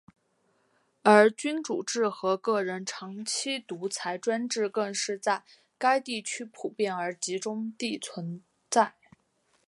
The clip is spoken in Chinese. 而君主制和个人长期独裁专制更是在该地区普遍而集中地存在。